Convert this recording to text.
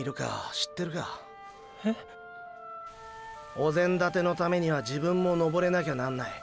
お膳立てのためには自分も登れなきゃなんない。